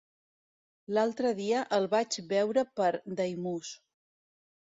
L'altre dia el vaig veure per Daimús.